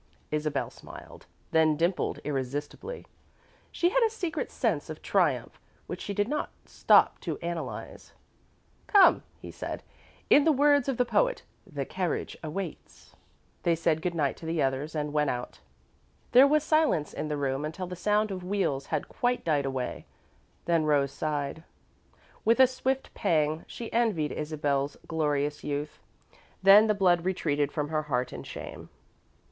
Isabel smiled, then dimpled irresistibly. She had a secret sense of triumph which she did not stop to analyse. "Come," he said. "In the words of the poet, 'the carriage waits.'" They said good night to the others, and went out. There was silence in the room until the sound of wheels had quite died away, then Rose sighed. With a swift pang, she envied Isabel's glorious youth, then the blood retreated from her heart in shame.